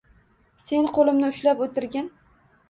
Sen qo‘limni ushlab o‘tirgin